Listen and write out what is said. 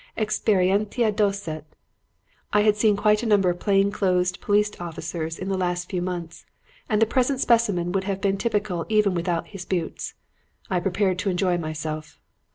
'Experientia docet!' I had seen quite a number of plain clothes police officers in the last few months and the present specimen would have been typical even without his boots. I prepared to enjoy myself.